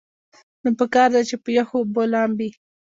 نو پکار ده چې پۀ يخو اوبو لامبي -